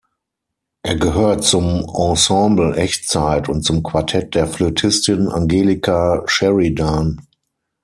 Er gehört zum Ensemble "Echtzeit" und zum Quartett der Flötistin Angelika Sheridan.